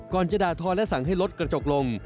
จะด่าทอและสั่งให้รถกระจกลง